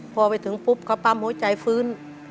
พอไปถึงปุ๊บเขาปั๊มหัวใจฟื้น